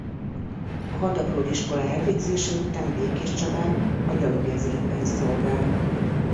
A hadapródiskola elvégzése után Békéscsabán a gyalogezredben szolgált.